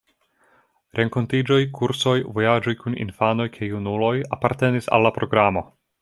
Renkontiĝoj, kursoj, vojaĝoj kun infanoj kaj junuloj apartenis al la programo.